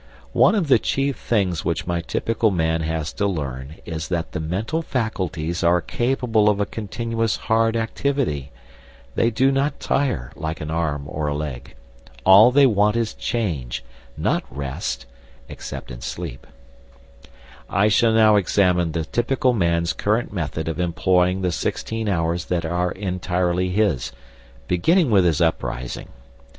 One of the chief things which my typical man has to learn is that the mental faculties are capable of a continuous hard activity; they do not tire like an arm or a leg. All they want is change not rest, except in sleep. I shall now examine the typical man's current method of employing the sixteen hours that are entirely his, beginning with his uprising.